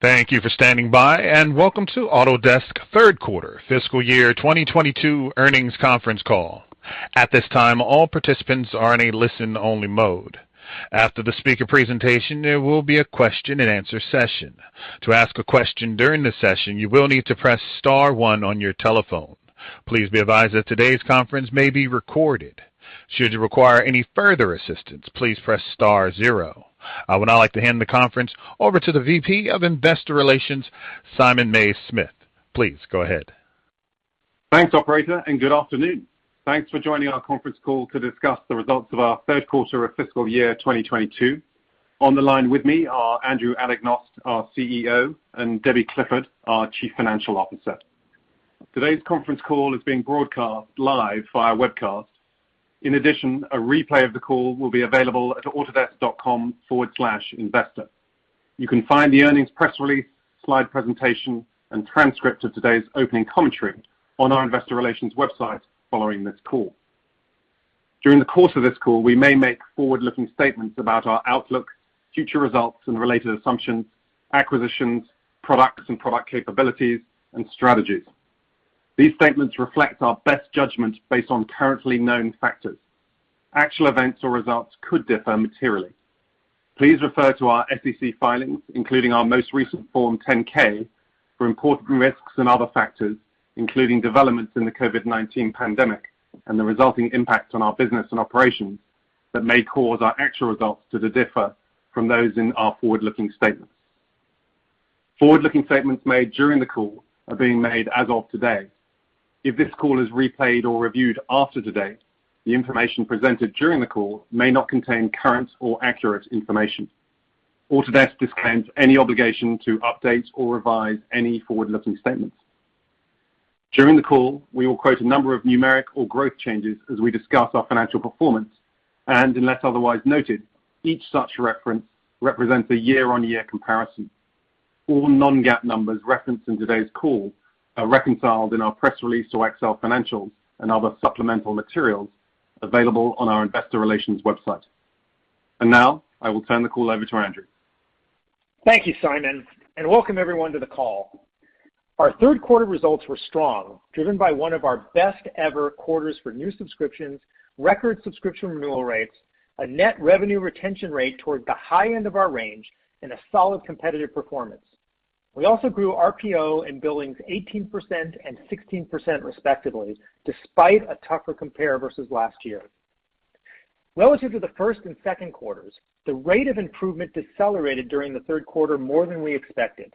Thank you for standing by, and welcome to Autodesk third-quarter fiscal year 2022 earnings conference call. At this time, all participants are in a listen-only mode. After the speaker presentation, there will be a question-and-answer session. To ask a question during the session, you will need to press star one on your telephone. Please be advised that today's conference may be recorded. Should you require any further assistance, please press star zero. I would now like to hand the conference over to the VP of Investor Relations, Simon Mays-Smith. Please go ahead. Thanks, operator, and good afternoon. Thanks for joining our conference call to discuss the results of our third quarter of fiscal year 2022. On the line with me are Andrew Anagnost, our CEO, and Debbie Clifford, our Chief Financial Officer. Today's conference call is being broadcast live via webcast. In addition, a replay of the call will be available at autodesk.com/investor. You can find the earnings press release, slide presentation, and transcript of today's opening commentary on our investor relations website following this call. During the course of this call, we may make forward-looking statements about our outlook, future results, and related assumptions, acquisitions, products and product capabilities, and strategies. These statements reflect our best judgment based on currently known factors. Actual events or results could differ materially. Please refer to our SEC filings, including our most recent Form 10-K for important risks and other factors, including developments in the COVID-19 pandemic and the resulting impact on our business and operations that may cause our actual results to differ from those in our forward-looking statements. Forward-looking statements made during the call are being made as of today. If this call is replayed or reviewed after today, the information presented during the call may not contain current or accurate information. Autodesk disclaims any obligation to update or revise any forward-looking statements. During the call, we will quote a number of numeric or growth changes as we discuss our financial performance. Unless otherwise noted, each such reference represents a year-over-year comparison. All non-GAAP numbers referenced in today's call are reconciled in our press release to Excel financials and other supplemental materials available on our investor relations website. Now, I will turn the call over to Andrew. Thank you, Simon, and welcome everyone to the call. Our third quarter results were strong, driven by one of our best-ever quarters for new subscriptions, record subscription renewal rates, a net revenue retention rate toward the high end of our range, and a solid competitive performance. We also grew RPO and billings 18% and 16% respectively, despite a tougher compare versus last year. Relative to the first and second quarters, the rate of improvement decelerated during the third quarter more than we expected.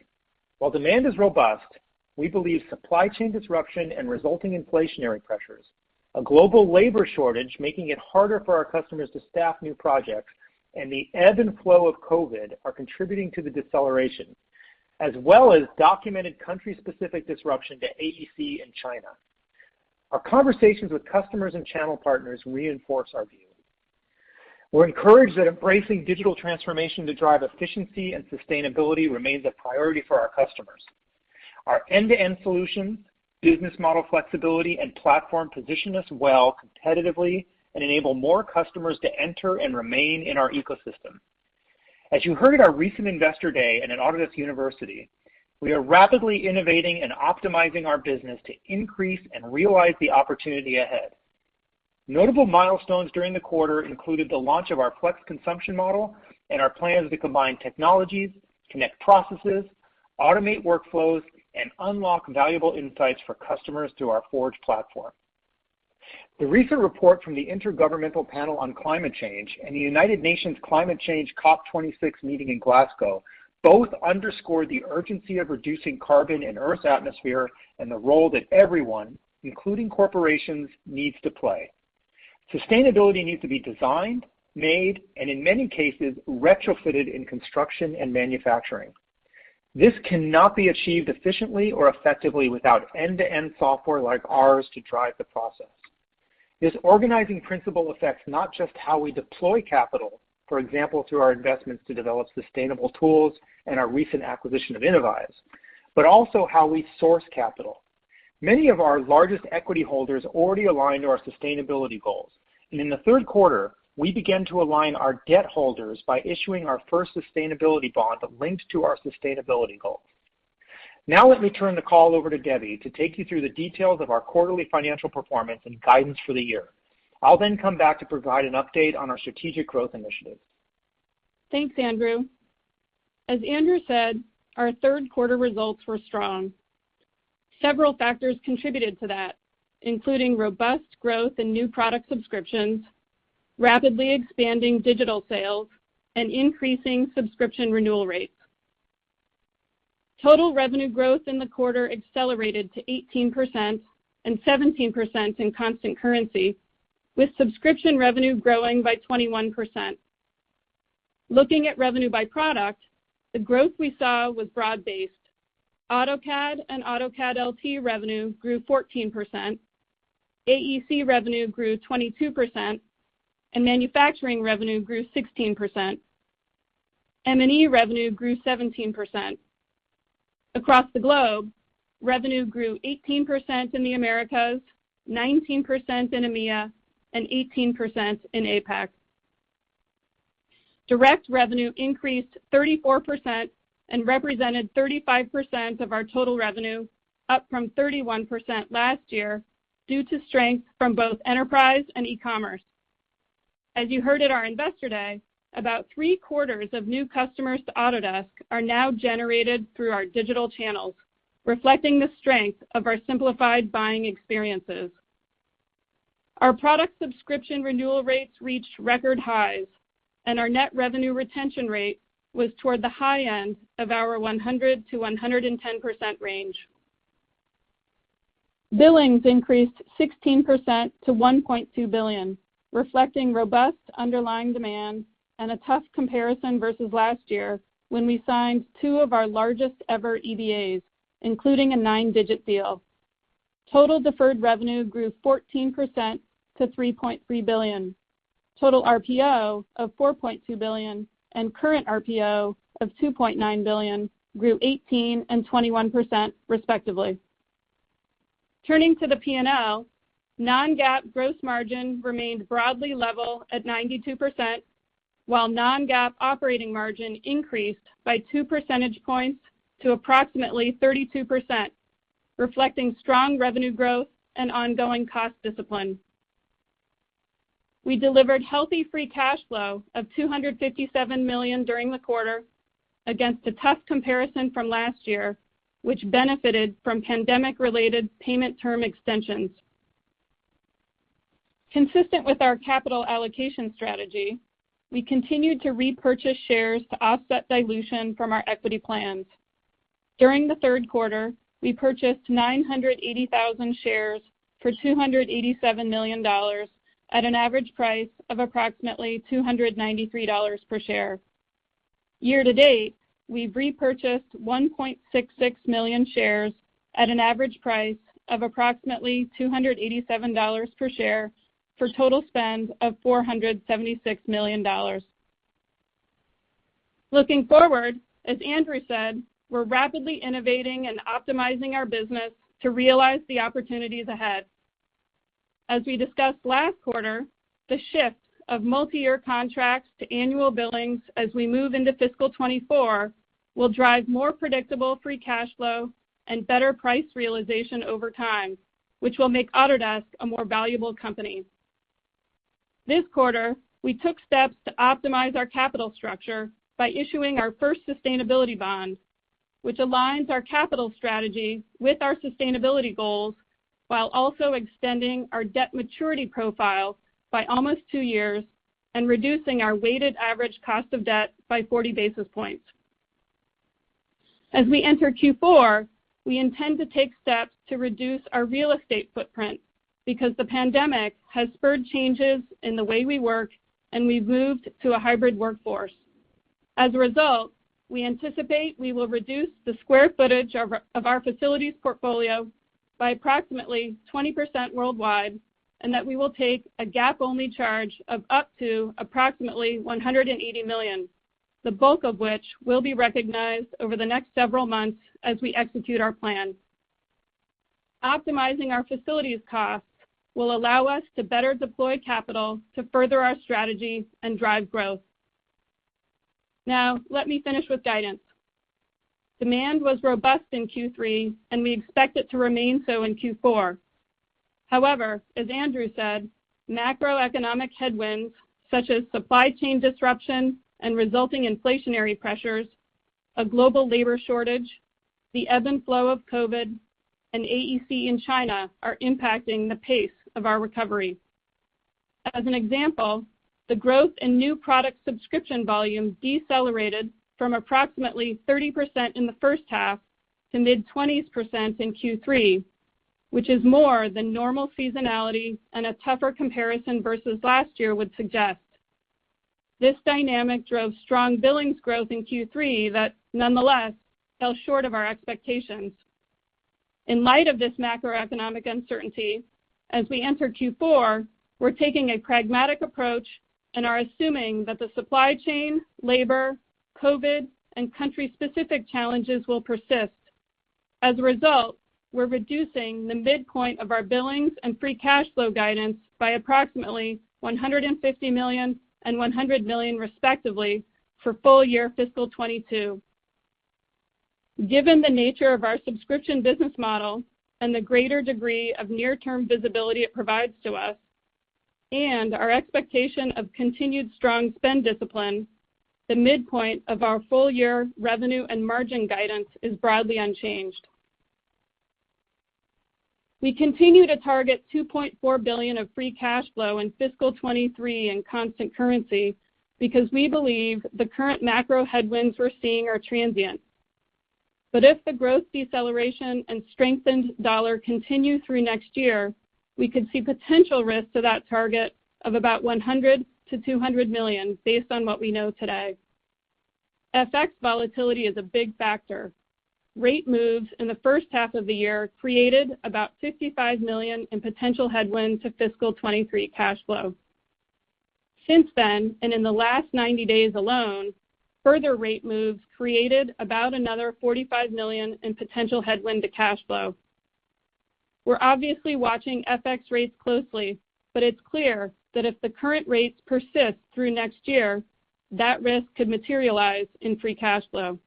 While demand is robust, we believe supply chain disruption and resulting inflationary pressures, a global labor shortage, making it harder for our customers to staff new projects, and the ebb and flow of COVID are contributing to the deceleration, as well as documented country-specific disruption to AEC in China. Our conversations with customers and channel partners reinforce our view. We're encouraged that embracing digital transformation to drive efficiency and sustainability remains a priority for our customers. Our end-to-end solution, business model flexibility, and platform position us well competitively and enable more customers to enter and remain in our ecosystem. As you heard at our recent Investor Day and in Autodesk University, we are rapidly innovating and optimizing our business to increase and realize the opportunity ahead. Notable milestones during the quarter included the launch of our Flex consumption model and our plans to combine technologies, connect processes, automate workflows, and unlock valuable insights for customers through our Forge platform. The recent report from the Intergovernmental Panel on Climate Change and the United Nations Climate Change COP26 meeting in Glasgow both underscored the urgency of reducing carbon in Earth's atmosphere and the role that everyone, including corporations, needs to play. Sustainability needs to be designed, made, and in many cases, retrofitted in construction and manufacturing. This cannot be achieved efficiently or effectively without end-to-end software like ours to drive the process. This organizing principle affects not just how we deploy capital, for example, through our investments to develop sustainable tools and our recent acquisition of Innovyze, but also how we source capital. Many of our largest equity holders already align to our sustainability goals. In the third quarter, we began to align our debt holders by issuing our first sustainability bond that links to our sustainability goals. Now let me turn the call over to Debbie to take you through the details of our quarterly financial performance and guidance for the year. I'll then come back to provide an update on our strategic growth initiatives. Thanks, Andrew. As Andrew said, our third-quarter results were strong. Several factors contributed to that, including robust growth in new product subscriptions, rapidly expanding digital sales, and increasing subscription renewal rates. Total revenue growth in the quarter accelerated to 18% and 17% in constant currency, with subscription revenue growing by 21%. Looking at revenue by product, the growth we saw was broad-based. AutoCAD and AutoCAD LT revenue grew 14%, AEC revenue grew 22%, and manufacturing revenue grew 16%. M&E revenue grew 17%. Across the globe, revenue grew 18% in the Americas, 19% in EMEA, and 18% in APAC. Direct revenue increased 34% and represented 35% of our total revenue, up from 31% last year, due to strength from both enterprise and e-commerce. As you heard at our Investor Day, about three-quarters of new customers to Autodesk are now generated through our digital channels, reflecting the strength of our simplified buying experiences. Our product subscription renewal rates reached record highs, and our net revenue retention rate was toward the high end of our 100%-110% range. Billings increased 16% to $1.2 billion, reflecting robust underlying demand and a tough comparison versus last year, when we signed two of our largest ever EBAs, including a nine-digit deal. Total deferred revenue grew 14% to $3.3 billion. Total RPO of $4.2 billion and current RPO of $2.9 billion grew 18% and 21%, respectively. Turning to the P&L, non-GAAP gross margin remained broadly level at 92%, while non-GAAP operating margin increased by two percentage points to approximately 32%, reflecting strong revenue growth and ongoing cost discipline. We delivered healthy free cash flow of $257 million during the quarter against a tough comparison from last year, which benefited from pandemic-related payment term extensions. Consistent with our capital allocation strategy, we continued to repurchase shares to offset dilution from our equity plans. During the third quarter, we purchased 980,000 shares for $287 million at an average price of approximately $293 per share. Year-to-date, we've repurchased 1.66 million shares at an average price of approximately $287 per share for total spend of $476 million. Looking forward, as Andrew said, we're rapidly innovating and optimizing our business to realize the opportunities ahead. As we discussed last quarter, the shift of multiyear contracts to annual billings as we move into fiscal 2024 will drive more predictable free cash flow and better price realization over time, which will make Autodesk a more valuable company. This quarter, we took steps to optimize our capital structure by issuing our first sustainability bond, which aligns our capital strategy with our sustainability goals while also extending our debt maturity profile by almost two years and reducing our weighted average cost of debt by 40 basis points. As we enter Q4, we intend to take steps to reduce our real estate footprint because the pandemic has spurred changes in the way we work, and we've moved to a hybrid workforce. As a result, we anticipate we will reduce the square footage of our facilities portfolio by approximately 20% worldwide, and that we will take a GAAP-only charge of up to approximately $180 million, the bulk of which will be recognized over the next several months as we execute our plan. Optimizing our facilities costs will allow us to better deploy capital to further our strategy and drive growth. Now, let me finish with guidance. Demand was robust in Q3, and we expect it to remain so in Q4. However, as Andrew said, macroeconomic headwinds such as supply chain disruptions and resulting inflationary pressures, a global labor shortage, the ebb and flow of COVID, and AEC in China are impacting the pace of our recovery. As an example, the growth in new product subscription volumes decelerated from approximately 30% in the first half to mid-20s % in Q3, which is more than normal seasonality and a tougher comparison versus last year would suggest. This dynamic drove strong billings growth in Q3 that nonetheless fell short of our expectations. In light of this macroeconomic uncertainty, as we enter Q4, we're taking a pragmatic approach and are assuming that the supply chain, labor, COVID, and country-specific challenges will persist. As a result, we're reducing the midpoint of our billings and free cash flow guidance by approximately $150 million and $100 million, respectively, for FY 2022. Given the nature of our subscription business model and the greater degree of near-term visibility it provides to us, and our expectation of continued strong spend discipline, the midpoint of our full-year revenue and margin guidance is broadly unchanged. We continue to target $2.4 billion of free cash flow in FY 2023 in constant currency because we believe the current macro headwinds we're seeing are transient. If the growth deceleration and strengthened dollar continue through next year, we could see potential risk to that target of about $100 million-$200 million based on what we know today. FX volatility is a big factor. Rate moves in the first half of the year created about $55 million in potential headwinds to fiscal 2023 cash flow. Since then, and in the last 90 days alone, further rate moves created about another $45 million in potential headwind to cash flow. We're obviously watching FX rates closely, but it's clear that if the current rates persist through next year, that risk could materialize in free cash flow.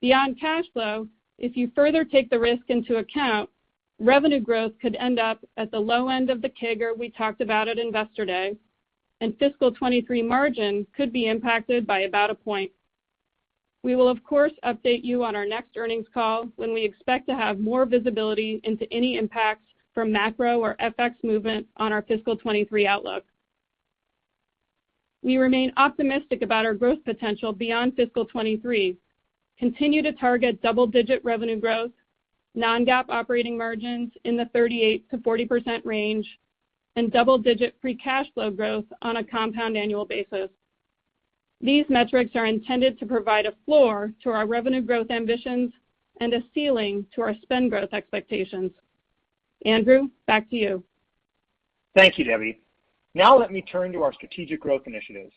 Beyond cash flow, if you further take the risk into account, revenue growth could end up at the low end of the CAGR we talked about at Investor Day, and fiscal 2023 margin could be impacted by about a point. We will, of course, update you on our next earnings call when we expect to have more visibility into any impacts from macro or FX movement on our fiscal 2023 outlook. We remain optimistic about our growth potential beyond fiscal 2023. Continue to target double-digit revenue growth, non-GAAP operating margins in the 38%-40% range, and double-digit free cash flow growth on a compound annual basis. These metrics are intended to provide a floor to our revenue growth ambitions and a ceiling to our spend growth expectations. Andrew, back to you. Thank you, Debbie. Now, let me turn to our strategic growth initiatives.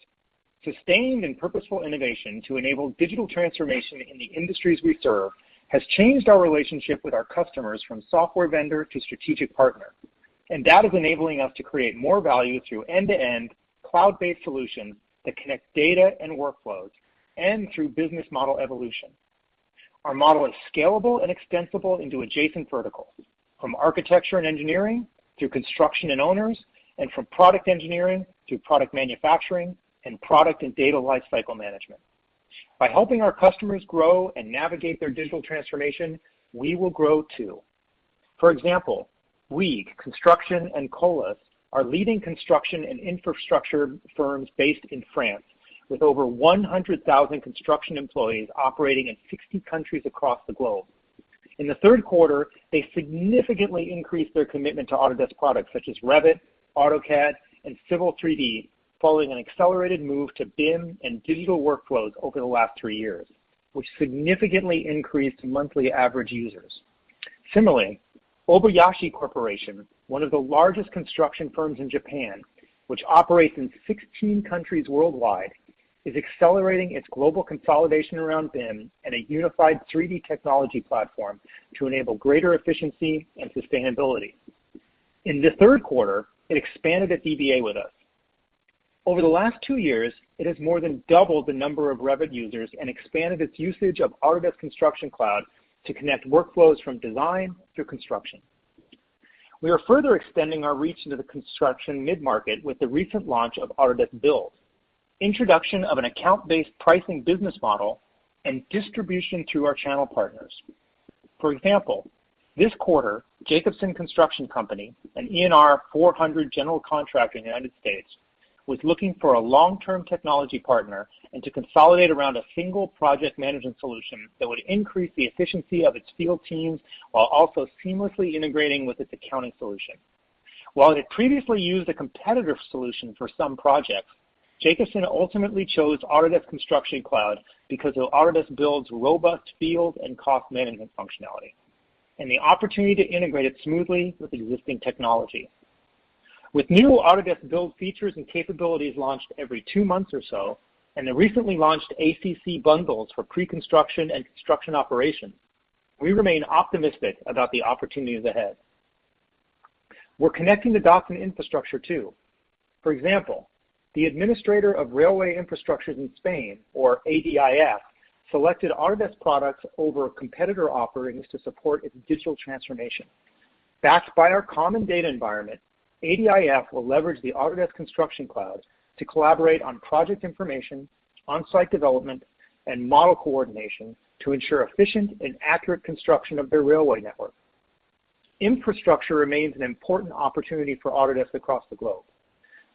Sustained and purposeful innovation to enable digital transformation in the industries we serve has changed our relationship with our customers from software vendor to strategic partner, and that is enabling us to create more value through end-to-end cloud-based solutions that connect data and workflows and through business model evolution. Our model is scalable and extensible into adjacent verticals, from architecture and engineering to construction and owners, and from product engineering to product manufacturing and product and data lifecycle management. By helping our customers grow and navigate their digital transformation, we will grow too. For example, Bouygues Construction, and Colas are leading construction and infrastructure firms based in France, with over 100,000 construction employees operating in 60 countries across the globe. In the third quarter, they significantly increased their commitment to Autodesk products such as Revit, AutoCAD, and Civil 3D, following an accelerated move to BIM and digital workflows over the last three years, which significantly increased monthly average users. Similarly, Obayashi Corporation, one of the largest construction firms in Japan, which operates in 16 countries worldwide, is accelerating its global consolidation around BIM and a unified 3D technology platform to enable greater efficiency and sustainability. In the third quarter, it expanded its EBA with us. Over the last two years, it has more than doubled the number of Revit users and expanded its usage of Autodesk Construction Cloud to connect workflows from design through construction. We are further extending our reach into the construction mid-market with the recent launch of Autodesk Build, introduction of an account-based pricing business model, and distribution to our channel partners. For example, this quarter, Jacobsen Construction Company, an ENR Top 400 general contractor in the United States, was looking for a long-term technology partner and to consolidate around a single project management solution that would increase the efficiency of its field teams while also seamlessly integrating with its accounting solution. While it previously used a competitor solution for some projects, Jacobsen ultimately chose Autodesk Construction Cloud because of Autodesk Build's robust field and cost management functionality and the opportunity to integrate it smoothly with existing technology. With new Autodesk Build features and capabilities launched every two months or so, and the recently launched ACC bundles for pre-construction and construction operations, we remain optimistic about the opportunities ahead. We're connecting the document infrastructure, too. For example, the Administrator of Railway Infrastructures in Spain, or ADIF, selected Autodesk products over competitor offerings to support its digital transformation. Backed by our common data environment, ADIF will leverage the Autodesk Construction Cloud to collaborate on project information, on-site development, and model coordination to ensure efficient and accurate construction of their railway network. Infrastructure remains an important opportunity for Autodesk across the globe.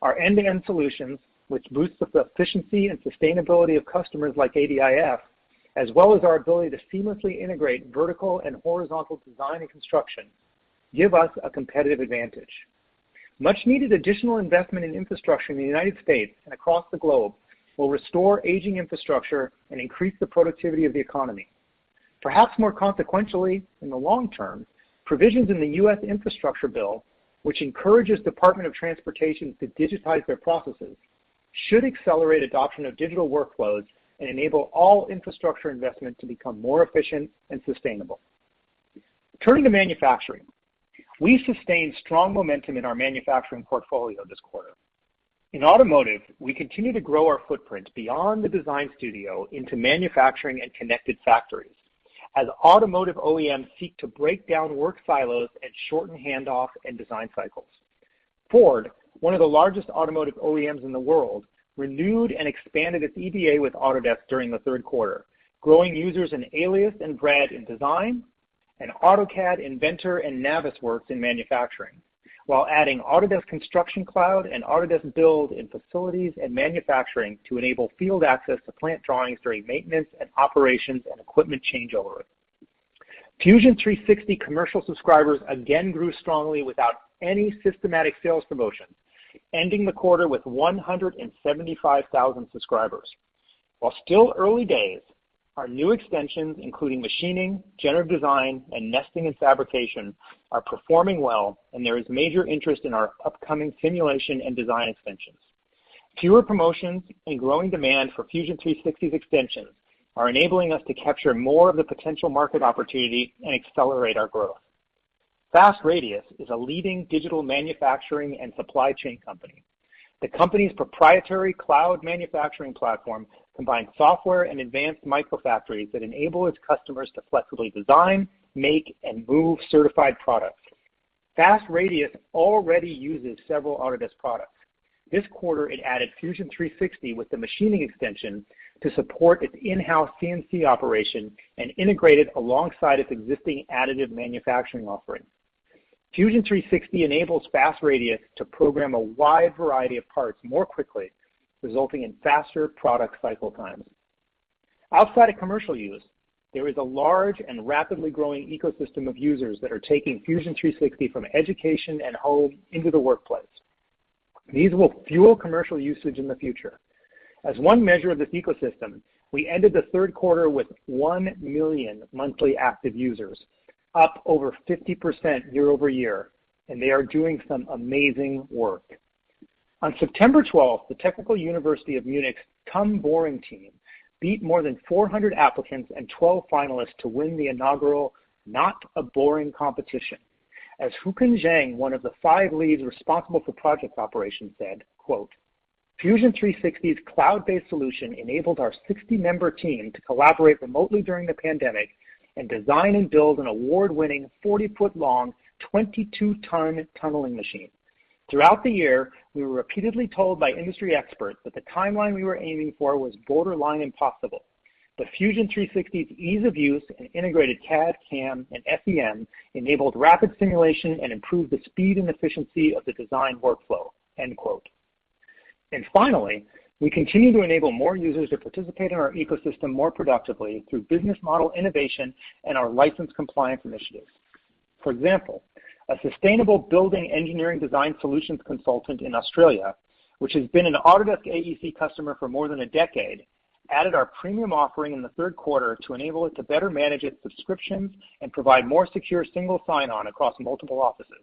Our end-to-end solutions, which boost the efficiency and sustainability of customers like ADIF, as well as our ability to seamlessly integrate vertical and horizontal design and construction, give us a competitive advantage. Much-needed additional investment in infrastructure in the United States and across the globe will restore aging infrastructure and increase the productivity of the economy. Perhaps more consequentially, in the long term, provisions in the U.S. infrastructure bill, which encourages Department of Transportation to digitize their processes, should accelerate adoption of digital workflows and enable all infrastructure investment to become more efficient and sustainable. Turning to manufacturing, we sustained strong momentum in our manufacturing portfolio this quarter. In automotive, we continue to grow our footprint beyond the design studio into manufacturing and connected factories as automotive OEMs seek to break down work silos and shorten handoff and design cycles. Ford, one of the largest automotive OEMs in the world, renewed and expanded its EBA with Autodesk during the third quarter, growing users in Alias and VRED in design and AutoCAD, Inventor, and Navisworks in manufacturing, while adding Autodesk Construction Cloud and Autodesk Build in facilities and manufacturing to enable field access to plant drawings during maintenance and operations and equipment changeovers. Fusion 360 commercial subscribers again grew strongly without any systematic sales promotions, ending the quarter with 175,000 subscribers. While still early days, our new extensions, including machining, generative design, and nesting and fabrication, are performing well, and there is major interest in our upcoming simulation and design extensions. Fewer promotions and growing demand for Fusion 360's extensions are enabling us to capture more of the potential market opportunity and accelerate our growth. Fast Radius is a leading digital manufacturing and supply chain company. The company's proprietary cloud manufacturing platform combines software and advanced microfactories that enable its customers to flexibly design, make, and move certified products. Fast Radius already uses several Autodesk products. This quarter, it added Fusion 360 with the machining extension to support its in-house CNC operation and integrate it alongside its existing additive manufacturing offerings. Fusion 360 enables Fast Radius to program a wide variety of parts more quickly, resulting in faster product cycle times. Outside of commercial use, there is a large and rapidly growing ecosystem of users that are taking Fusion 360 from education and home into the workplace. These will fuel commercial usage in the future. As one measure of this ecosystem, we ended the third quarter with 1 million monthly active users, up over 50% year-over-year, and they are doing some amazing work. On September 12, the Technical University of Munich's TUM Boring team beat more than 400 applicants and 12 finalists to win the inaugural Not-a-Boring Competition. As Haokun Zheng, one of the five leads responsible for project operations said, quote, "Fusion 360's cloud-based solution enabled our 60-member team to collaborate remotely during the pandemic and design and build an award-winning 40-foot-long, 22-ton tunneling machine. Throughout the year, we were repeatedly told by industry experts that the timeline we were aiming for was borderline impossible. But Fusion 360's ease of use and integrated CAD, CAM, and FEM enabled rapid simulation and improved the speed and efficiency of the design workflow." End quote. Finally, we continue to enable more users to participate in our ecosystem more productively through business model innovation and our license compliance initiatives. For example, a sustainable building engineering design solutions consultant in Australia, which has been an Autodesk AEC customer for more than a decade, added our premium offering in the third quarter to enable it to better manage its subscriptions and provide more secure single sign-on across multiple offices.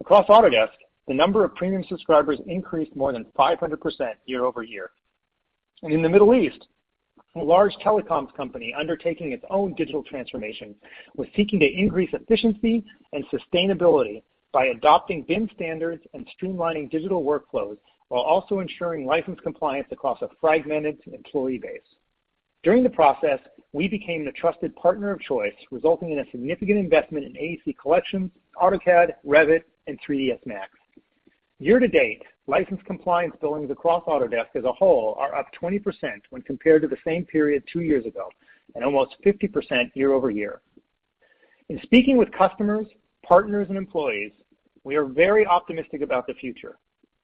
Across Autodesk, the number of premium subscribers increased more than 500% year-over-year. In the Middle East, a large telecoms company undertaking its own digital transformation was seeking to increase efficiency and sustainability by adopting BIM standards and streamlining digital workflows while also ensuring license compliance across a fragmented employee base. During the process, we became the trusted partner of choice, resulting in a significant investment in AEC Collection, AutoCAD, Revit, and 3ds Max. Year-to-date, license compliance billings across Autodesk as a whole are up 20% when compared to the same period two years ago, and almost 50% year-over-year. In speaking with customers, partners, and employees, we are very optimistic about the future.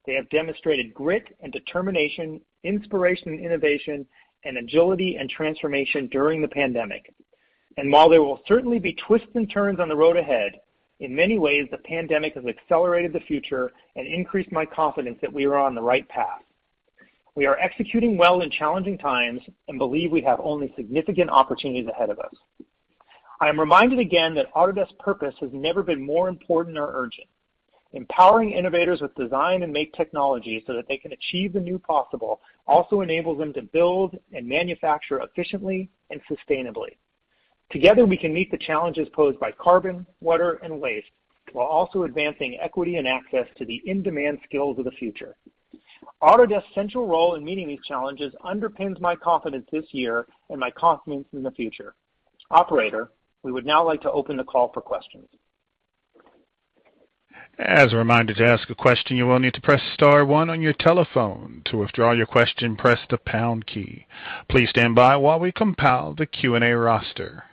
They have demonstrated grit and determination, inspiration and innovation, and agility and transformation during the pandemic. While there will certainly be twists and turns on the road ahead, in many ways, the pandemic has accelerated the future and increased my confidence that we are on the right path. We are executing well in challenging times and believe we have only significant opportunities ahead of us. I am reminded again that Autodesk's purpose has never been more important or urgent. Empowering innovators with design and make technology so that they can achieve the new possible also enables them to build and manufacture efficiently and sustainably. Together, we can meet the challenges posed by carbon, water, and waste while also advancing equity and access to the in-demand skills of the future. Autodesk's central role in meeting these challenges underpins my confidence this year and my confidence in the future. Operator, we would now like to open the call for questions. As a reminder, to ask a question, you will need to press star one on your telephone. To withdraw your question, press the pound key. Please stand by while we compile the Q&A roster.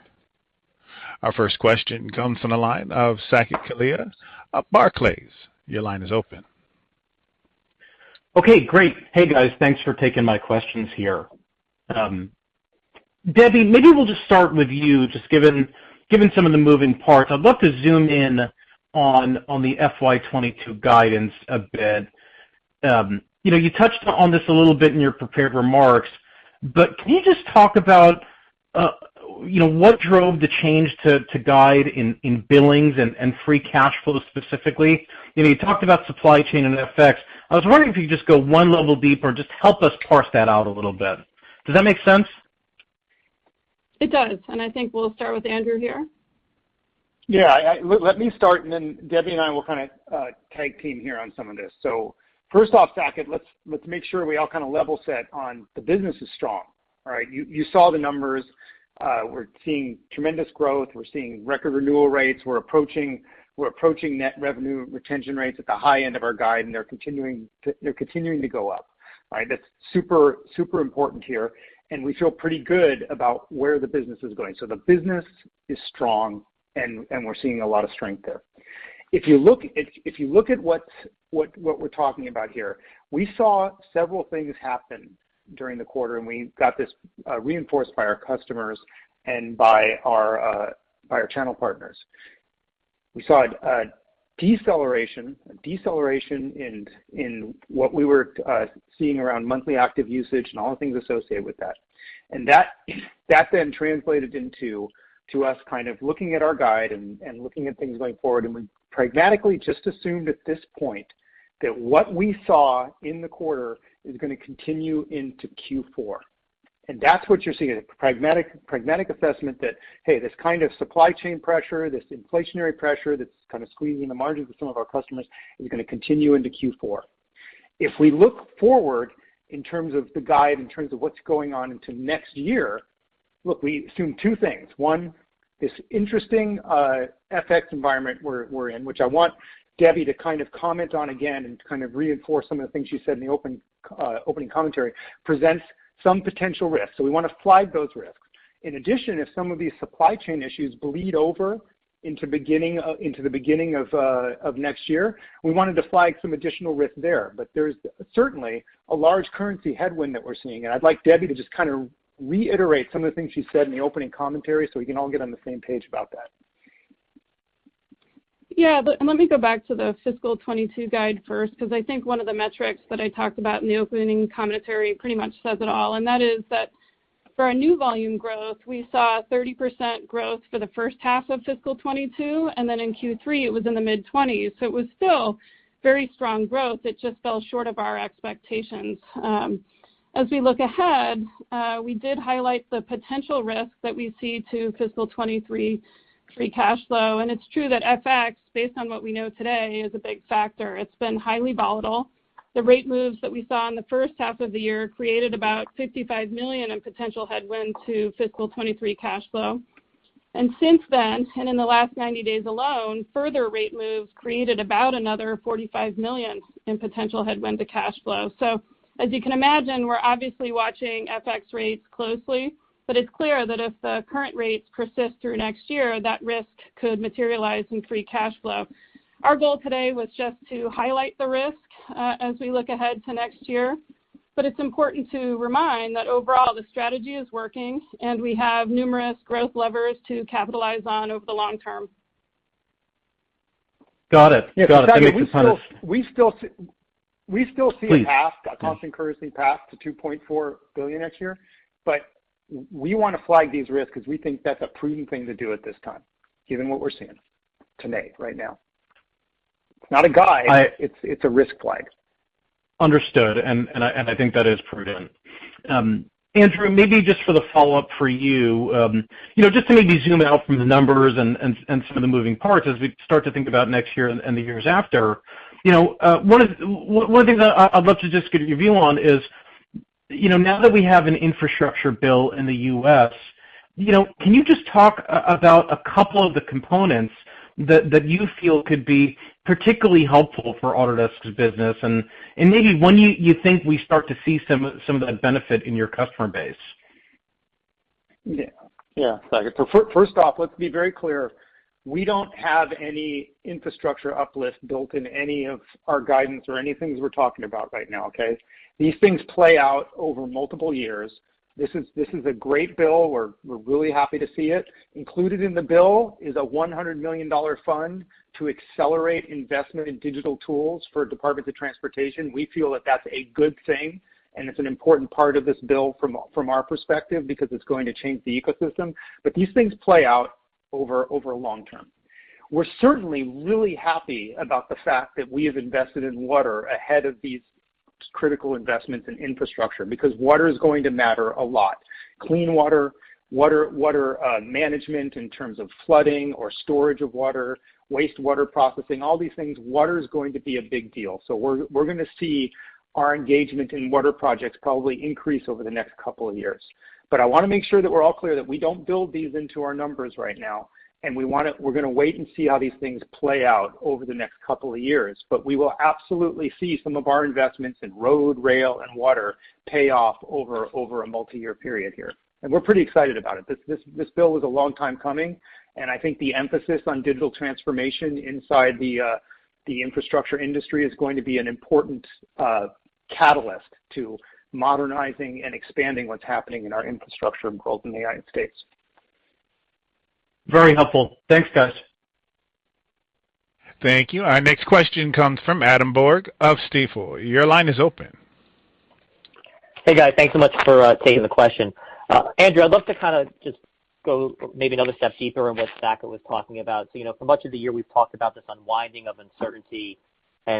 Our first question comes from the line of Saket Kalia of Barclays. Your line is open. Okay, great. Hey, guys. Thanks for taking my questions here. Debbie, maybe we'll just start with you, just given some of the moving parts. I'd love to zoom in on the FY 2022 guidance a bit. You know, you touched on this a little bit in your prepared remarks, but can you just talk about, you know, what drove the change to guide in billings and free cash flow specifically? You know, you talked about supply chain and FX. I was wondering if you could just go one level deeper and just help us parse that out a little bit. Does that make sense? It does. I think we'll start with Andrew here. Yeah. Let me start, and then Debbie and I will kind of tag team here on some of this. First off, Saket, let's make sure we all kind of level set on the business is strong. All right? You saw the numbers. We're seeing tremendous growth. We're seeing record renewal rates. We're approaching net revenue retention rates at the high end of our guide, and they're continuing to go up. All right? That's super important here, and we feel pretty good about where the business is going. The business is strong, and we're seeing a lot of strength there. If you look at what we're talking about here, we saw several things happen during the quarter, and we got this reinforced by our customers and by our channel partners. We saw a deceleration in what we were seeing around monthly active usage and all the things associated with that. That then translated into us kind of looking at our guide and looking at things going forward. We pragmatically just assumed at this point that what we saw in the quarter is gonna continue into Q4. That's what you're seeing, a pragmatic assessment that, hey, this kind of supply chain pressure, this inflationary pressure that's kind of squeezing the margins of some of our customers is gonna continue into Q4. If we look forward in terms of the guide, in terms of what's going on into next year, look, we assume two things. One, this interesting FX environment we're in, which I want Debbie to kind of comment on again and to kind of reinforce some of the things she said in the opening commentary, presents some potential risks. We wanna flag those risks. In addition, if some of these supply chain issues bleed over into the beginning of next year, we wanted to flag some additional risk there. There's certainly a large currency headwind that we're seeing. I'd like Debbie to just kind of reiterate some of the things she said in the opening commentary, so we can all get on the same page about that. Yeah. Let me go back to the fiscal 2022 guide first, because I think one of the metrics that I talked about in the opening commentary pretty much says it all. That is that for our new volume growth, we saw 30% growth for the first half of fiscal 2022, and then in Q3 it was in the mid-20s. It was still very strong growth. It just fell short of our expectations. As we look ahead, we did highlight the potential risk that we see to fiscal 2023 free cash flow. It's true that FX, based on what we know today, is a big factor. It's been highly volatile. The rate moves that we saw in the first half of the year created about $55 million in potential headwind to fiscal 2023 cash flow. Since then, and in the last 90 days alone, further rate moves created about another $45 million in potential headwind to cash flow. As you can imagine, we're obviously watching FX rates closely, but it's clear that if the current rates persist through next year, that risk could materialize in free cash flow. Our goal today was just to highlight the risk, as we look ahead to next year, but it's important to remind that overall the strategy is working, and we have numerous growth levers to capitalize on over the long term. Got it. That makes a ton of. We still see a path, a constant currency path to $2.4 billion next year, but we wanna flag these risks because we think that's a prudent thing to do at this time, given what we're seeing today, right now. It's not a guide. It's a risk flag. Understood. I think that is prudent. Andrew, maybe just for the follow-up for you know, just to maybe zoom out from the numbers and some of the moving parts as we start to think about next year and the years after. You know, one of the things I'd love to just get your view on is, you know, now that we have an infrastructure bill in the U.S., you know, can you just talk about a couple of the components that you feel could be particularly helpful for Autodesk's business? Maybe when you think we start to see some of that benefit in your customer base. Yeah. Yeah, Saket. First off, let's be very clear, we don't have any infrastructure uplift built in any of our guidance or any things we're talking about right now, okay? These things play out over multiple years. This is a great bill. We're really happy to see it. Included in the bill is a $100 million fund to accelerate investment in digital tools for Department of Transportation. We feel that that's a good thing, and it's an important part of this bill from our perspective, because it's going to change the ecosystem. These things play out over long term. We're certainly really happy about the fact that we have invested in water ahead of these critical investments in infrastructure, because water is going to matter a lot. Clean water management in terms of flooding or storage of water, wastewater processing, all these things, water is going to be a big deal. We're gonna see our engagement in water projects probably increase over the next couple of years. I wanna make sure that we're all clear that we don't build these into our numbers right now, and we're gonna wait and see how these things play out over the next couple of years. We will absolutely see some of our investments in road, rail, and water pay off over a multi-year period here. We're pretty excited about it. This bill was a long time coming, and I think the emphasis on digital transformation inside the infrastructure industry is going to be an important catalyst to modernizing and expanding what's happening in our infrastructure growth in the United States. Very helpful. Thanks, guys. Thank you. Our next question comes from Adam Borg of Stifel. Your line is open. Hey, guys. Thanks so much for taking the question. Andrew, I'd love to kinda just go maybe another step deeper on what Saket was talking about. You know, for much of the year, we've talked about this unwinding of uncertainty, and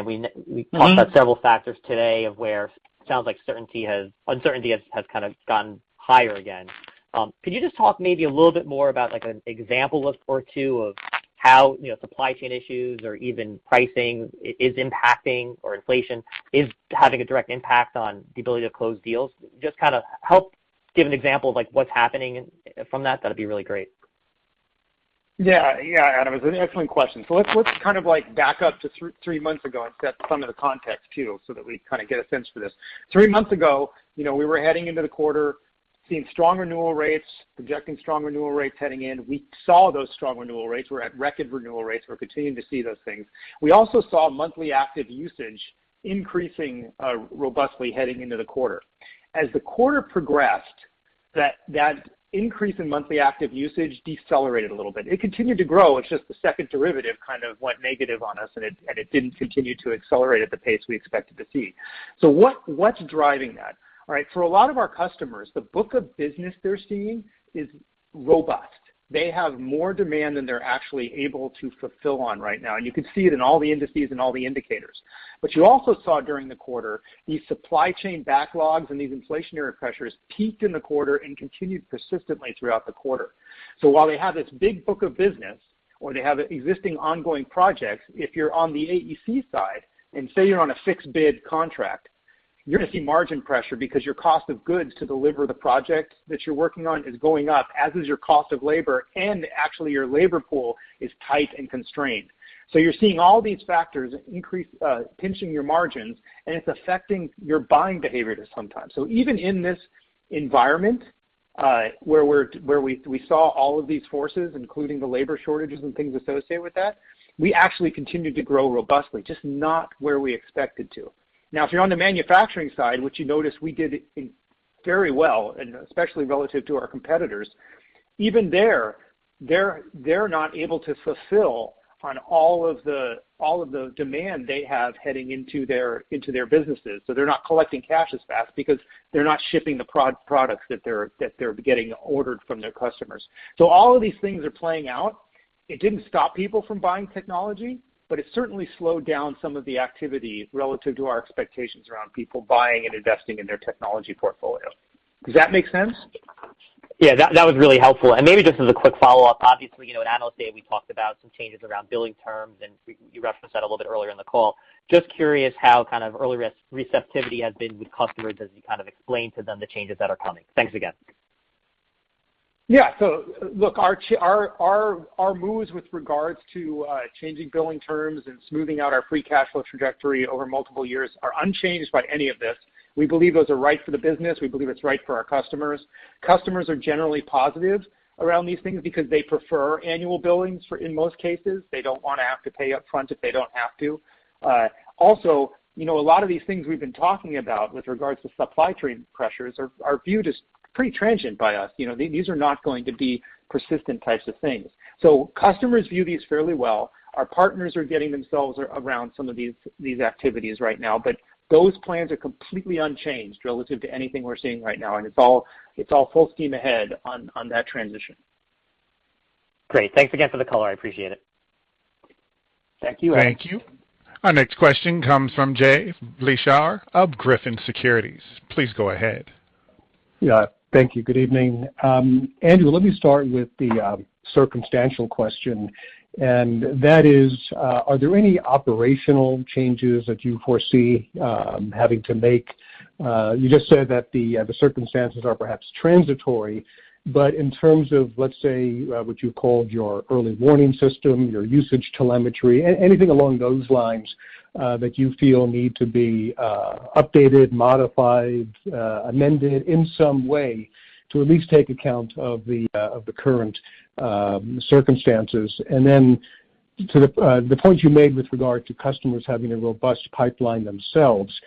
we've talked about several factors today of where sounds like uncertainty has kind of gotten higher again. Could you just talk maybe a little bit more about like an example or two of how, you know, supply chain issues or even pricing is impacting or inflation is having a direct impact on the ability to close deals? Just kinda help give an example of like what's happening from that'd be really great. Yeah. Yeah, Adam. It's an excellent question. Let's kind of like back up to three months ago and set some of the context too so that we kinda get a sense for this. Three months ago, you know, we were heading into the quarter seeing strong renewal rates, projecting strong renewal rates heading in. We saw those strong renewal rates. We're at record renewal rates. We're continuing to see those things. We also saw monthly active usage increasing robustly heading into the quarter. As the quarter progressed, that increase in monthly active usage decelerated a little bit. It continued to grow, it's just the second derivative kind of went negative on us, and it didn't continue to accelerate at the pace we expected to see. What's driving that? All right. For a lot of our customers, the book of business they're seeing is robust. They have more demand than they're actually able to fulfill on right now. You can see it in all the indices and all the indicators. You also saw during the quarter, these supply chain backlogs and these inflationary pressures peaked in the quarter and continued persistently throughout the quarter. While they have this big book of business or they have existing ongoing projects, if you're on the AEC side and say you're on a fixed bid contract, you're gonna see margin pressure because your cost of goods to deliver the project that you're working on is going up, as is your cost of labor, and actually your labor pool is tight and constrained. You're seeing all these factors increase, pinching your margins, and it's affecting your buying behavior sometimes. Even in this environment, where we saw all of these forces, including the labor shortages and things associated with that, we actually continued to grow robustly, just not where we expected to. Now, if you're on the manufacturing side, which you notice we did in very well, and especially relative to our competitors, even there, they're not able to fulfill on all of the demand they have heading into their businesses. They're not collecting cash as fast because they're not shipping the products that they're getting orders from their customers. All of these things are playing out. It didn't stop people from buying technology, but it certainly slowed down some of the activity relative to our expectations around people buying and investing in their technology portfolio. Does that make sense? Yeah. That was really helpful. Maybe just as a quick follow-up, obviously, you know, at Investor Day, we talked about some changes around billing terms, and you referenced that a little bit earlier in the call. Just curious how kind of early reseller receptivity has been with customers, as you kind of explain to them the changes that are coming. Thanks again. Look, our moves with regards to changing billing terms and smoothing out our free cash flow trajectory over multiple years are unchanged by any of this. We believe those are right for the business. We believe it's right for our customers. Customers are generally positive around these things because they prefer annual billings for, in most cases. They don't wanna have to pay upfront if they don't have to. Also, you know, a lot of these things we've been talking about with regards to supply chain pressures are viewed as pretty transient by us. You know, these are not going to be persistent types of things. Customers view these fairly well. Our partners are getting themselves around some of these activities right now. Those plans are completely unchanged relative to anything we're seeing right now, and it's all full steam ahead on that transition. Great. Thanks again for the color. I appreciate it. Thank you. Thank you. Our next question comes from Jay Vleeschhouwer of Griffin Securities. Please go ahead. Yeah. Thank you. Good evening. Andrew, let me start with the circumstantial question, and that is, are there any operational changes that you foresee having to make? You just said that the circumstances are perhaps transitory, but in terms of, let's say, what you called your early warning system, your usage telemetry, anything along those lines, that you feel need to be updated, modified, amended in some way to at least take account of the current circumstances. To the point you made with regard to customers having a robust pipeline themselves,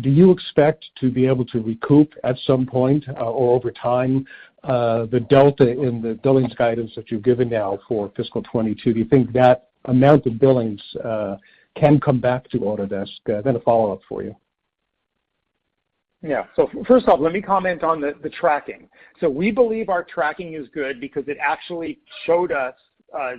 do you expect to be able to recoup at some point, or over time, the delta in the billings guidance that you've given now for fiscal 2022? Do you think that amount of billings can come back to Autodesk? A follow-up for you. Yeah. First off, let me comment on the tracking. We believe our tracking is good because it actually showed us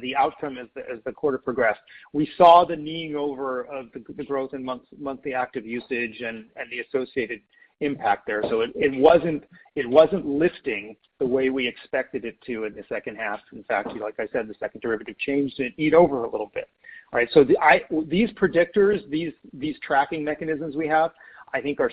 the outcome as the quarter progressed. We saw the kneed over of the growth in month-over-month active usage and the associated impact there. It wasn't lifting the way we expected it to in the second half. In fact, like I said, the second derivative changed. It kneed over a little bit, right? These predictors, these tracking mechanisms we have, I think are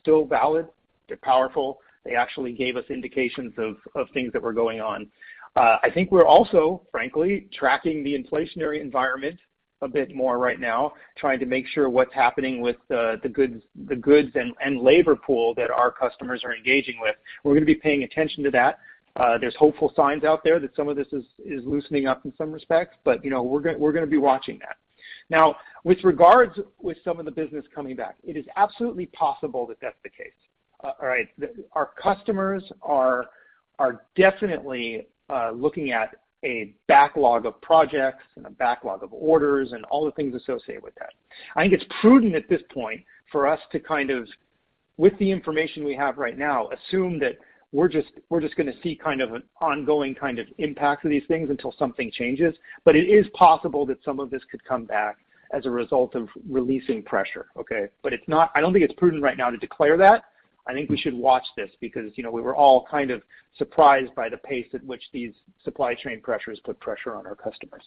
still valid. They're powerful. They actually gave us indications of things that were going on. I think we're also, frankly, tracking the inflationary environment a bit more right now, trying to make sure what's happening with the goods and labor pool that our customers are engaging with. We're gonna be paying attention to that. There's hopeful signs out there that some of this is loosening up in some respects, but, you know, we're gonna be watching that. Now, with regards with some of the business coming back, it is absolutely possible that that's the case. All right? Our customers are definitely looking at a backlog of projects and a backlog of orders and all the things associated with that. I think it's prudent at this point for us to kind of, with the information we have right now, assume that we're just gonna see kind of an ongoing kind of impact to these things until something changes. It is possible that some of this could come back as a result of releasing pressure, okay? It's not, I don't think it's prudent right now to declare that. I think we should watch this because, you know, we were all kind of surprised by the pace at which these supply chain pressures put pressure on our customers.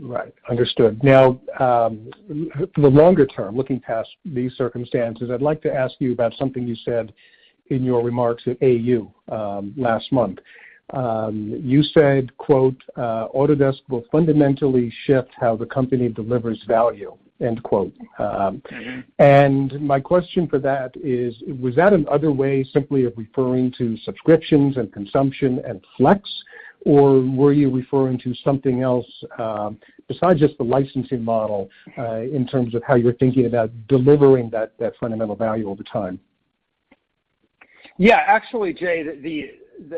Right. Understood. Now, the longer term, looking past these circumstances, I'd like to ask you about something you said in your remarks at AU, last month. You said, quote, "Autodesk will fundamentally shift how the company delivers value," end quote. My question for that is, was that another way simply of referring to subscriptions, and consumption, and Flex? Were you referring to something else, besides just the licensing model, in terms of how you're thinking about delivering that fundamental value over time? Yeah, actually, Jay,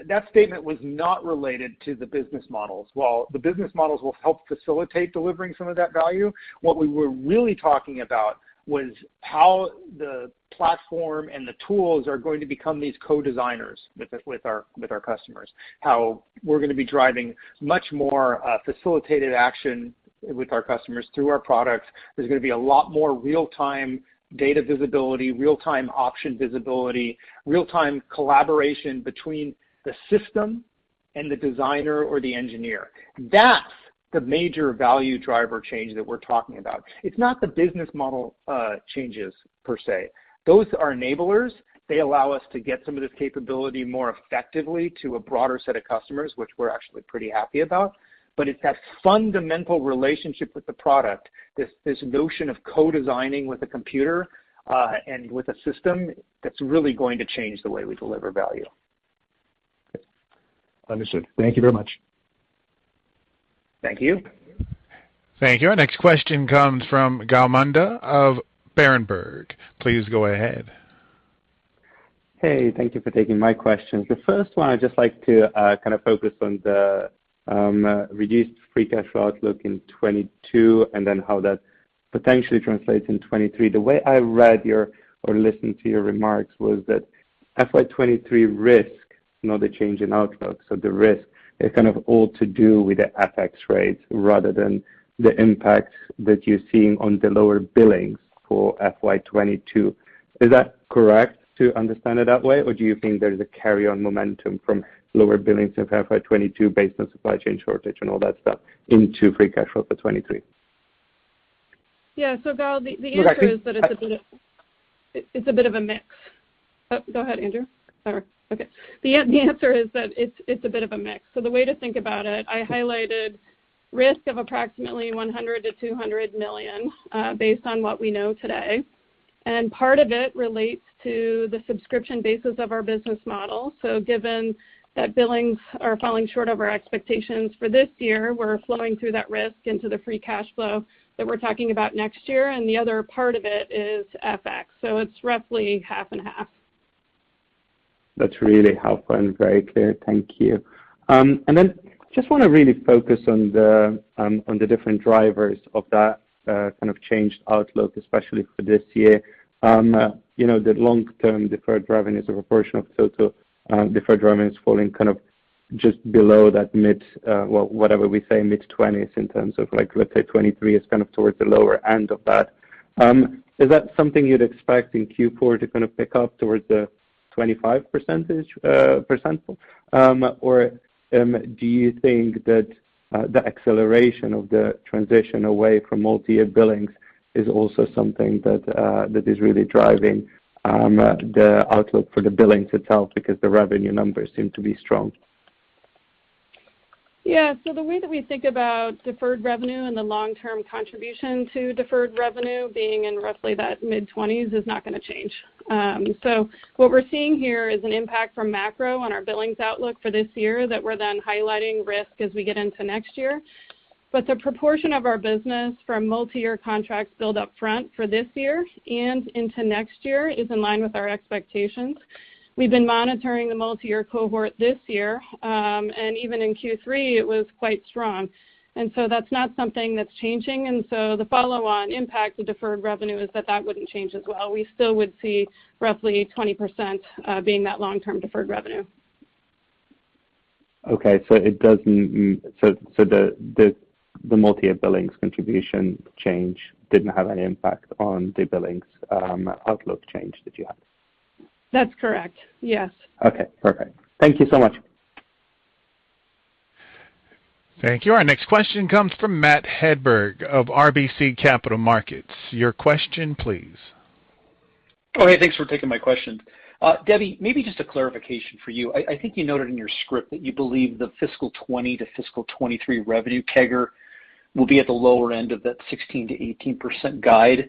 that statement was not related to the business models. While the business models will help facilitate delivering some of that value, what we were really talking about was how the platform and the tools are going to become these co-designers with our customers. How we're gonna be driving much more facilitated action with our customers through our products. There's gonna be a lot more real-time data visibility, real-time option visibility, real-time collaboration between the system and the designer or the engineer. That's the major value driver change that we're talking about. It's not the business model changes per se. Those are enablers. They allow us to get some of this capability more effectively to a broader set of customers, which we're actually pretty happy about. It's that fundamental relationship with the product, this notion of co-designing with a computer, and with a system that's really going to change the way we deliver value. Understood. Thank you very much. Thank you. Thank you. Our next question comes from Gal Munda of Berenberg. Please go ahead. Hey, thank you for taking my question. The first one, I'd just like to kind of focus on the reduced free cash flow outlook in 2022 and then how that potentially translates in 2023. The way I read your or listened to your remarks was that FY 2023 risk, not the change in outlook, so the risk is kind of all to do with the FX rates rather than the impact that you're seeing on the lower billings for FY 2022. Is that correct to understand it that way? Or do you think there's a carry-on momentum from lower billings in FY 2022 based on supply chain shortage and all that stuff into free cash flow for 2023? Yeah. Gal, the answer is that it's a bit of a mix. Oh, go ahead, Andrew. Sorry. Okay. The answer is that it's a bit of a mix. The way to think about it, I highlighted risk of approximately $100 million-$200 million based on what we know today. Part of it relates to the subscription basis of our business model. Given that billings are falling short of our expectations for this year, we're flowing through that risk into the free cash flow that we're talking about next year. The other part of it is FX. It's roughly half and half. That's really helpful and very clear. Thank you. Just wanna really focus on the different drivers of that kind of changed outlook, especially for this year. You know, the long-term deferred revenue as a proportion of total deferred revenue is falling, kind of just below that mid, well, whatever we say mid-20s% in terms of like, let's say 23% is kind of towards the lower end of that. Is that something you'd expect in Q4 to kind of pick up towards the 25%? Do you think that the acceleration of the transition away from multi-year billings is also something that is really driving the outlook for the billings itself because the revenue numbers seem to be strong? Yeah. The way that we think about deferred revenue and the long-term contribution to deferred revenue being in roughly that mid-20s% is not gonna change. What we're seeing here is an impact from macro on our billings outlook for this year that we're then highlighting risk as we get into next year. The proportion of our business from multi-year contracts billed up front for this year and into next year is in line with our expectations. We've been monitoring the multi-year cohort this year, and even in Q3, it was quite strong. That's not something that's changing, and so the follow-on impact to deferred revenue is that that wouldn't change as well. We still would see roughly 20%, being that long-term deferred revenue. The multi-year billings contribution change didn't have any impact on the billings outlook change that you have? That's correct. Yes. Okay, perfect. Thank you so much. Thank you. Our next question comes from Matt Hedberg of RBC Capital Markets. Your question, please. Hey, thanks for taking my question. Debbie, maybe just a clarification for you. I think you noted in your script that you believe the fiscal 2020 to fiscal 2023 revenue CAGR will be at the lower end of that 16%-18% guide.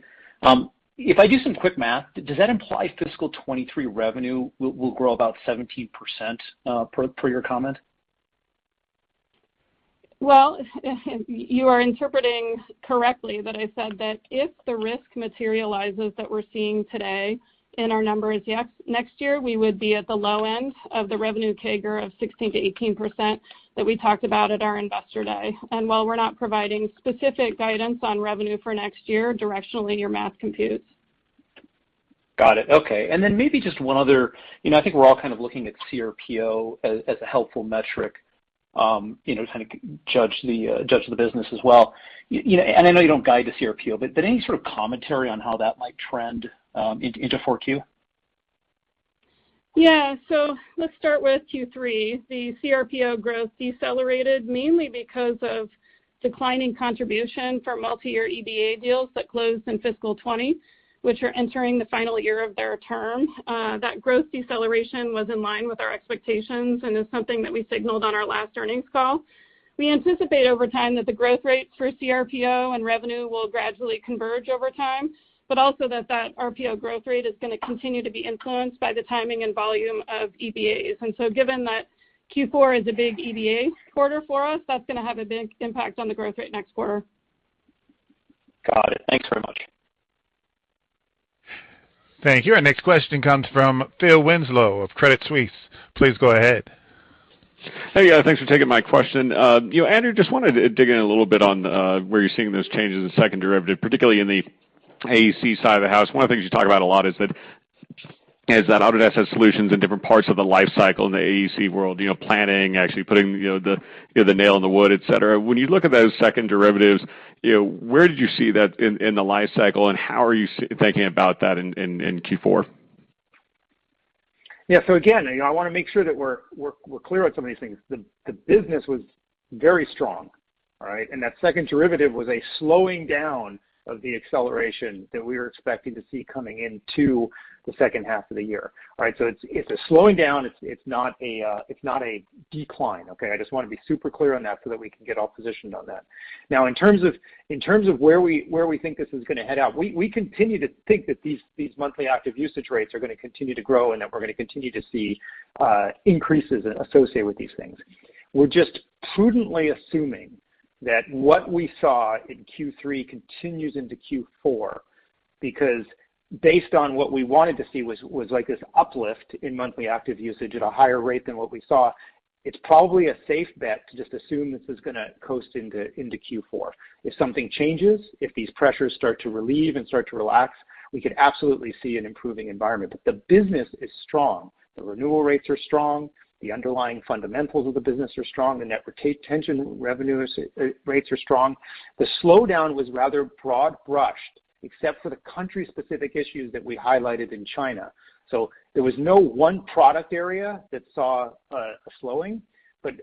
If I do some quick math, does that imply fiscal 2023 revenue will grow about 17%, per your comment? Well, you are interpreting correctly that I said that if the risk materializes that we're seeing today in our numbers next year, we would be at the low end of the revenue CAGR of 16%-18% that we talked about at our Investor Day. While we're not providing specific guidance on revenue for next year, directionally, your math computes. Got it. Okay. Then maybe just one other. You know, I think we're all kind of looking at CRPO as a helpful metric, you know, to kind of judge the business as well. You know, and I know you don't guide to CRPO, but any sort of commentary on how that might trend into 4Q? Yeah. Let's start with Q3. The CRPO growth decelerated mainly because of declining contribution from multi-year EBA deals that closed in fiscal 2020, which are entering the final year of their term. That growth deceleration was in line with our expectations and is something that we signaled on our last earnings call. We anticipate over time that the growth rates for CRPO and revenue will gradually converge over time, but also that RPO growth rate is gonna continue to be influenced by the timing and volume of EBAs. Given that Q4 is a big EBA quarter for us, that's gonna have a big impact on the growth rate next quarter. Got it. Thanks very much. Thank you. Our next question comes from Phil Winslow of Credit Suisse. Please go ahead. Hey. Yeah, thanks for taking my question. You know, Andrew, just wanted to dig in a little bit on where you're seeing those changes in second derivative, particularly in the AEC side of the house. One of the things you talk about a lot is that Autodesk has solutions in different parts of the life cycle in the AEC world, you know, planning, actually putting you know the nail in the wood, et cetera. When you look at those second derivatives, you know, where did you see that in the life cycle, and how are you thinking about that in Q4? Yeah. Again, you know, I wanna make sure that we're clear on some of these things. The business was very strong, all right. That second derivative was a slowing down of the acceleration that we were expecting to see coming into the second half of the year. All right, it's a slowing down, it's not a decline, okay. I just wanna be super clear on that so that we can get all positioned on that. Now in terms of where we think this is gonna head out, we continue to think that these monthly active usage rates are gonna continue to grow, and that we're gonna continue to see increases associated with these things. We're just prudently assuming that what we saw in Q3 continues into Q4. Because based on what we wanted to see was like this uplift in monthly active usage at a higher rate than what we saw, it's probably a safe bet to just assume this is gonna coast into Q4. If something changes, if these pressures start to relieve and start to relax, we could absolutely see an improving environment. The business is strong. The renewal rates are strong. The underlying fundamentals of the business are strong. The net retention revenues rates are strong. The slowdown was rather broad brushed, except for the country-specific issues that we highlighted in China. There was no one product area that saw a slowing.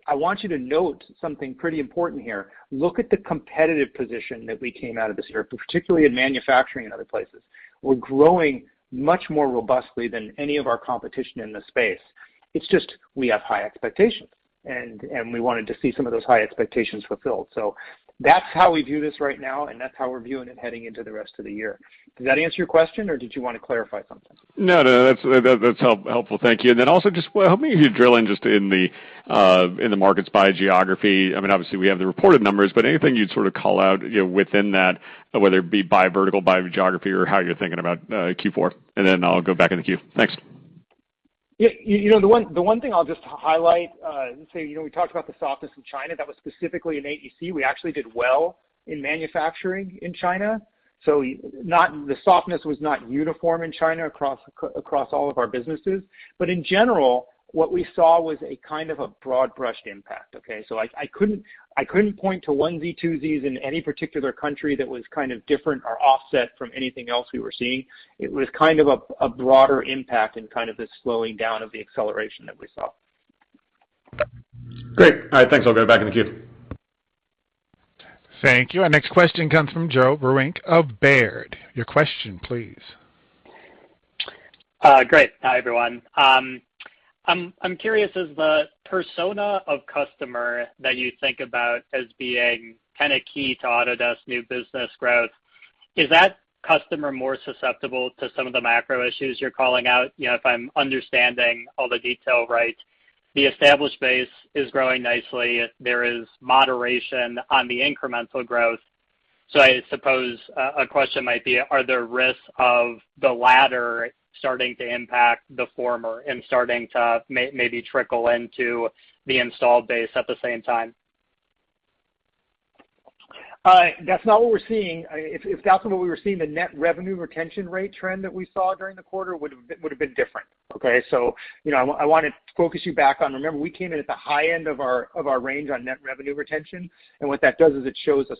I want you to note something pretty important here. Look at the competitive position that we came out of this year, particularly in manufacturing and other places. We're growing much more robustly than any of our competition in this space. It's just, we have high expectations, and we wanted to see some of those high expectations fulfilled. That's how we view this right now, and that's how we're viewing it heading into the rest of the year. Does that answer your question, or did you wanna clarify something? No, that's helpful. Thank you. Then also just help me drill in just in the markets by geography. I mean, obviously we have the reported numbers, but anything you'd sort of call out, you know, within that, whether it be by vertical, by geography, or how you're thinking about Q4, and then I'll go back in the queue. Thanks. Yeah. You know, the one thing I'll just highlight, let's say, you know, we talked about the softness in China. That was specifically in AEC. We actually did well in manufacturing in China, so the softness was not uniform in China across all of our businesses. In general, what we saw was a kind of a broad brush impact, okay? I couldn't point to one or two in any particular country that was kind of different or offset from anything else we were seeing. It was kind of a broader impact and kind of the slowing down of the acceleration that we saw. Great. All right, thanks. I'll go back in the queue. Thank you. Our next question comes from Joe Vruwink of Baird. Your question, please. Great. Hi, everyone. I'm curious, as the persona of customer that you think about as being kind of key to Autodesk new business growth, is that customer more susceptible to some of the macro issues you're calling out? You know, if I'm understanding all the detail right, the established base is growing nicely. There is moderation on the incremental growth. I suppose a question might be, are there risks of the latter starting to impact the former and starting to maybe trickle into the installed base at the same time? That's not what we're seeing. I mean, if that's what we were seeing, the net revenue retention rate trend that we saw during the quarter would've been different, okay? You know, I wanted to focus you back on, remember, we came in at the high end of our range on net revenue retention, and what that does is it shows a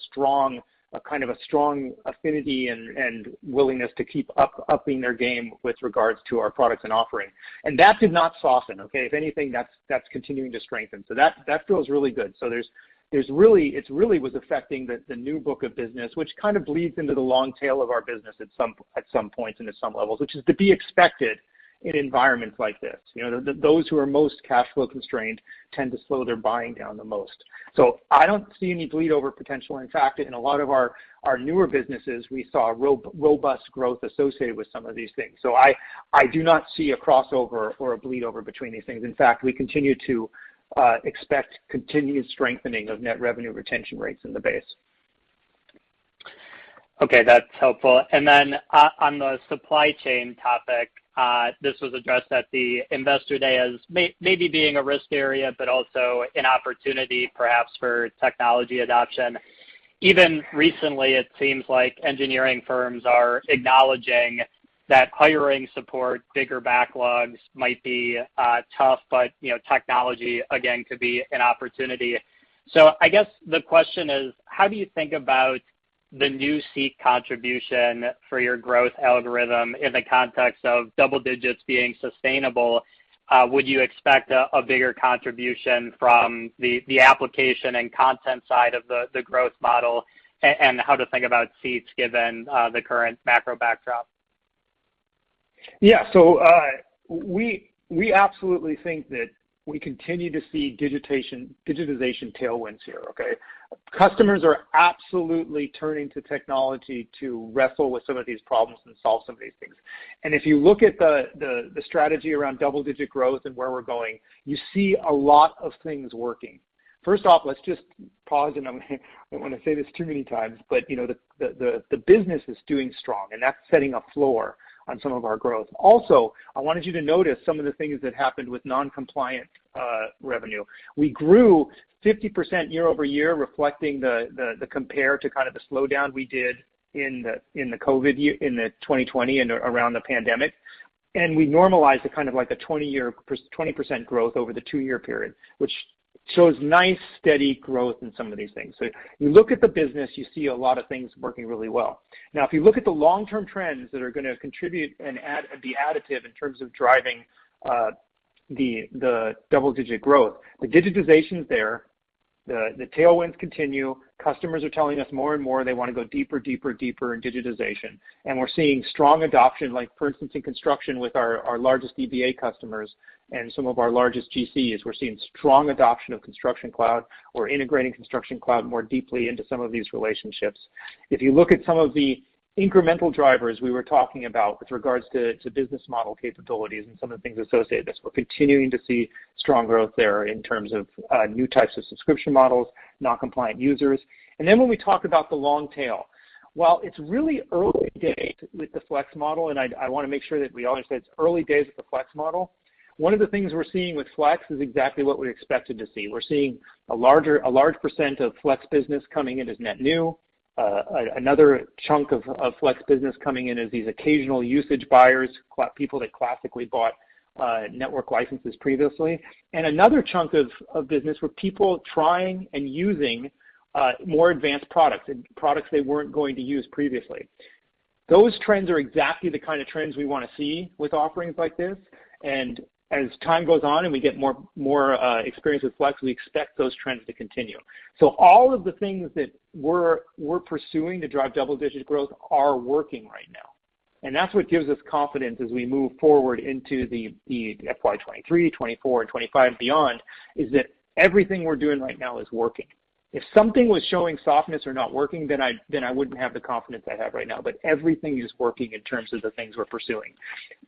kind of strong affinity and willingness to keep upping their game with regards to our products and offering. That did not soften, okay? If anything, that's continuing to strengthen. That feels really good. It really was affecting the new book of business, which kind of bleeds into the long tail of our business at some points and at some levels, which is to be expected in environments like this. You know, those who are most cash flow constrained tend to slow their buying down the most. I don't see any bleed over potential. In fact, in a lot of our newer businesses, we saw robust growth associated with some of these things. I do not see a crossover or a bleed over between these things. In fact, we continue to expect continued strengthening of net revenue retention rates in the base. Okay, that's helpful. Then on the supply chain topic, this was addressed at the Investor Day as maybe being a risk area, but also an opportunity perhaps for technology adoption. Even recently, it seems like engineering firms are acknowledging that hiring support, bigger backlogs might be tough, but, you know, technology, again, could be an opportunity. I guess the question is, how do you think about the new seat contribution for your growth algorithm in the context of double digits being sustainable? Would you expect a bigger contribution from the application and content side of the growth model, and how to think about seats given the current macro backdrop? Yeah. We absolutely think that we continue to see digitization tailwinds here, okay? Customers are absolutely turning to technology to wrestle with some of these problems and solve some of these things. If you look at the strategy around double-digit growth and where we're going, you see a lot of things working. First off, let's just pause, and I don't wanna say this too many times, but you know, the business is doing strong, and that's setting a floor on some of our growth. Also, I wanted you to notice some of the things that happened with non-compliant revenue. We grew 50% year-over-year, reflecting the compare to kind of the slowdown we did in the COVID year, in the 2020 and around the pandemic. We normalized to kind of like a 20% growth over the two-year period, which shows nice, steady growth in some of these things. You look at the business, you see a lot of things working really well. If you look at the long-term trends that are gonna contribute and be additive in terms of driving the double-digit growth, the digitization's there. The tailwinds continue. Customers are telling us more and more they wanna go deeper, deeper in digitization. We're seeing strong adoption, like for instance, in construction with our largest EBA customers and some of our largest GCs. We're seeing strong adoption of Construction Cloud. We're integrating Construction Cloud more deeply into some of these relationships. If you look at some of the incremental drivers we were talking about with regards to business model capabilities and some of the things associated with this, we're continuing to see strong growth there in terms of new types of subscription models, non-compliant users. When we talk about the long tail, while it's really early days with the Flex model, and I wanna make sure that we all understand it's early days with the Flex model, one of the things we're seeing with Flex is exactly what we expected to see. We're seeing a large percent of Flex business coming in as net new. Another chunk of Flex business coming in as these occasional usage buyers, people that classically bought network licenses previously. Another chunk of business were people trying and using more advanced products and products they weren't going to use previously. Those trends are exactly the kind of trends we wanna see with offerings like this. As time goes on, and we get more experience with Flex, we expect those trends to continue. All of the things that we're pursuing to drive double-digit growth are working right now, and that's what gives us confidence as we move forward into the FY 2023, 2024, and 2025 and beyond, is that everything we're doing right now is working. If something was showing softness or not working, then I wouldn't have the confidence I have right now. Everything is working in terms of the things we're pursuing.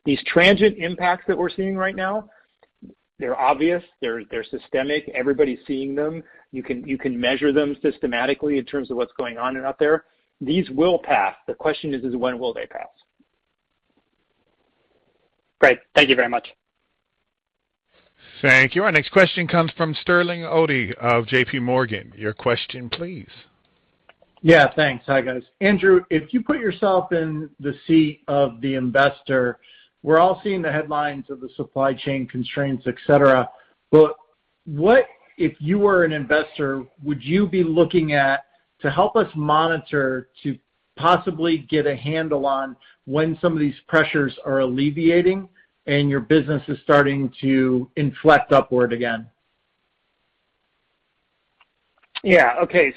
These transient impacts that we're seeing right now, they're obvious, they're systemic. Everybody's seeing them. You can measure them systematically in terms of what's going on and out there. These will pass. The question is when will they pass? Great. Thank you very much. Thank you. Our next question comes from Sterling Auty of JPMorgan. Your question, please. Yeah, thanks. Hi, guys. Andrew, if you put yourself in the seat of the investor, we're all seeing the headlines of the supply chain constraints, et cetera. What, if you were an investor, would you be looking at to help us monitor to possibly get a handle on when some of these pressures are alleviating, and your business is starting to inflect upward again? Yeah. Okay.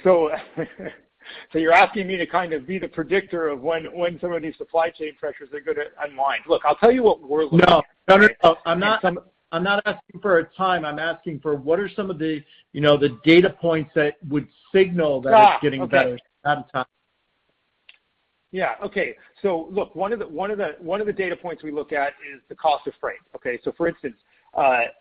You're asking me to kind of be the predictor of when some of these supply chain pressures are gonna unwind. Look, I'll tell you what we're looking at- No. I'm not asking for a time. I'm asking for what are some of the, you know, the data points that would signal that. Okay. It's getting better all the time? Look, one of the data points we look at is the cost of freight, okay? For instance, the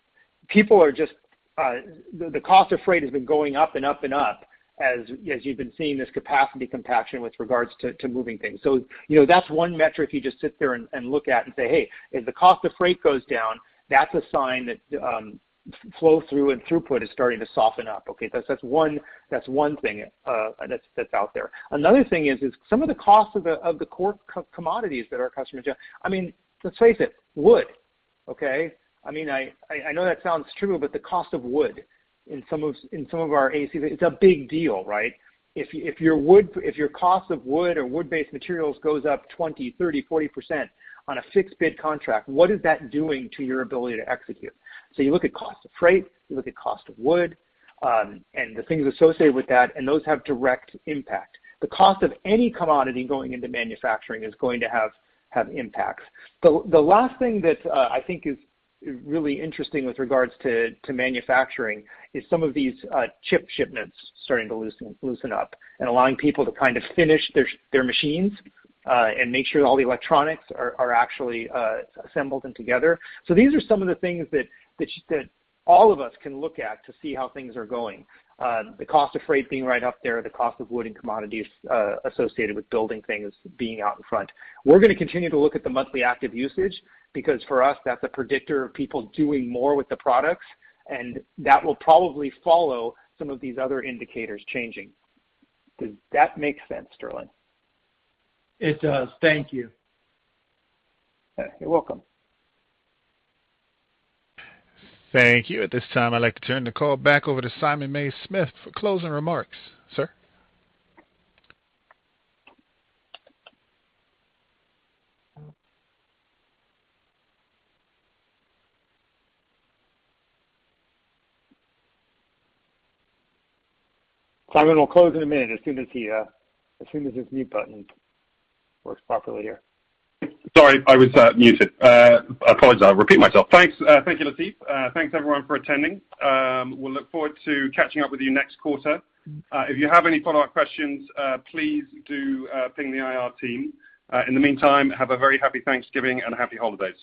cost of freight has been going up and up and up as you've been seeing this capacity compaction with regards to moving things. You know, that's one metric you just sit there and look at and say, "Hey, if the cost of freight goes down, that's a sign that flow through and throughput is starting to soften up." Okay? That's one thing that's out there. Another thing is some of the costs of the core commodities that our customers. I mean, let's face it, wood, okay? I mean, I know that sounds trivial, but the cost of wood in some of our AECs, it's a big deal, right? If your cost of wood or wood-based materials goes up 20%, 30%, 40% on a fixed bid contract, what is that doing to your ability to execute? You look at cost of freight, you look at cost of wood, and the things associated with that, and those have direct impact. The cost of any commodity going into manufacturing is going to have impacts. The last thing that I think is really interesting with regards to manufacturing is some of these chip shipments starting to loosen up and allowing people to kind of finish their machines and make sure all the electronics are actually assembled and together. These are some of the things that all of us can look at to see how things are going, the cost of freight being right up there, the cost of wood and commodities associated with building things being out in front. We're gonna continue to look at the monthly active usage, because for us, that's a predictor of people doing more with the products, and that will probably follow some of these other indicators changing. Does that make sense, Sterling? It does. Thank you. You're welcome. Thank you. At this time, I'd like to turn the call back over to Simon Mays-Smith for closing remarks. Sir? Simon will close in a minute, as soon as his mute button works properly here. Sorry, I was muted. I apologize. I'll repeat myself. Thanks. Thank you, Latif. Thanks, everyone, for attending. We'll look forward to catching up with you next quarter. If you have any follow-up questions, please do ping the IR team. In the meantime, have a very happy Thanksgiving and happy holidays.